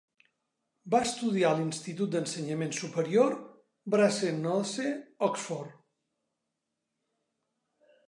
Va estudiar a l'institut d'ensenyament superior Brasenose, Oxford.